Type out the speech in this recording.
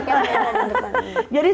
jadi sebenarnya ini adalah